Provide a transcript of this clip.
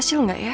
tidak ada kompor